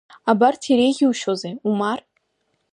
Абарҭ иреиӷьушьозеи, Умар!